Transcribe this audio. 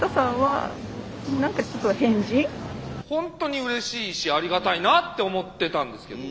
ほんとにうれしいしありがたいなって思ってたんですけど。